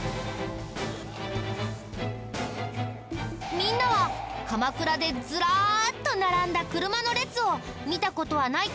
みんなは鎌倉でずらーっと並んだ車の列を見た事はないかな？